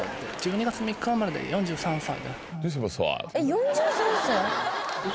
４３歳？